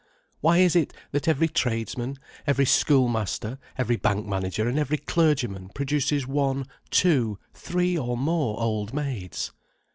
Why is it that every tradesman, every school master, every bank manager, and every clergyman produces one, two, three or more old maids?